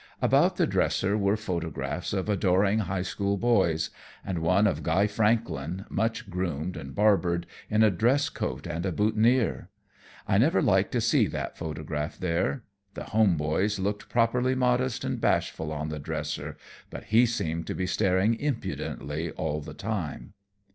About the dresser were photographs of adoring high school boys; and one of Guy Franklin, much groomed and barbered, in a dress coat and a boutonnière. I never liked to see that photograph there. The home boys looked properly modest and bashful on the dresser, but he seemed to be staring impudently all the time.